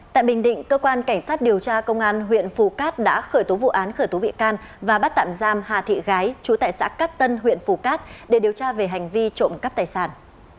tại bình định cơ quan cảnh sát điều tra công an huyện phù cát đã khởi tố vụ án khởi tố bị can và bắt tạm giam hà thị gái chú tại xã cát tân huyện phù cát để điều tra về hành vi trộm cắp tài sản